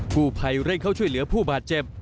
ผู้ภัยเร่งเข้าช่วยเหลือผู้บาดเจ็บ